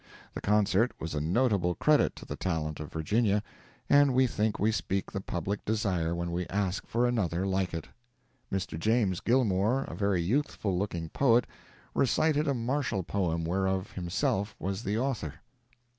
The Concert was a notable credit to the talent of Virginia, and we think we speak the public desire when we ask for another like it. Mr. James Gilmore, a very youthful looking poet, recited a martial poem whereof himself was the author.